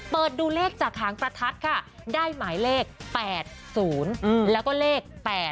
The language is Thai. เปิดดูเลขจากหางประทัดค่ะได้หมายเลข๘๐แล้วก็เลข๘